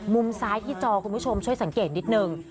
มุมซ้ายที่จอคุณผู้ชมช่วยสังเกตนิดนึง